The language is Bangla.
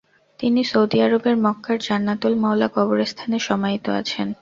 তিনি সৌদি আরবের মক্কার জান্নাতুল মওলা কবরস্থান সমাহিত আছেন।